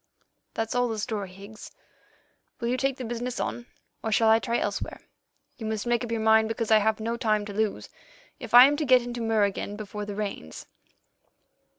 That's all the story, Higgs. Will you take the business on, or shall I try elsewhere? You must make up your mind, because I have no time to lose, if I am to get into Mur again before the rains."